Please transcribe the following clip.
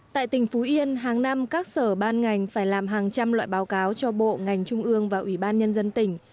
tại tỉnh phú yên hàng năm các sở ban ngành phải làm hàng trăm loại báo cáo cho bộ ngành trung ương và ủy ban nhân dân tỉnh